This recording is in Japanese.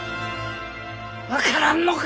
分からぬのか。